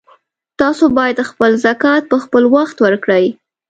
تاسو باید خپل زکات په خپلوخت ورکړئ